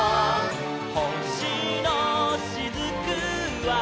「ほしのしずくは」